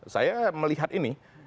saya melihat ini